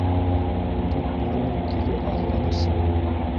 Күкбүренең теге арланысы?!